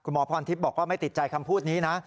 หมอพรทิพย์บอกว่าไม่ติดใจคำพูดนี้นะ